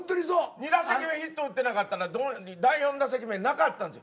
２打席目ヒット打ってなかったら第４打席目なかったんですよ。